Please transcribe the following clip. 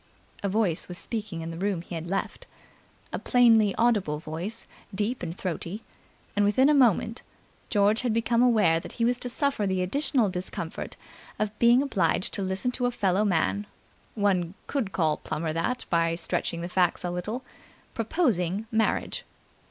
A voice was speaking in the room he had left, a plainly audible voice, deep and throaty; and within a minute George had become aware that he was to suffer the additional discomfort of being obliged to listen to a fellow man one could call Plummer that by stretching the facts a little proposing marriage.